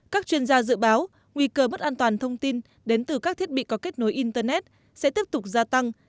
các chuyên gia dự báo nguy cơ bất an toàn thông tin đến từ các thiết bị có kết nối internet sẽ tiếp tục gia tăng